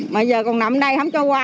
mà giờ còn nằm đây không cho qua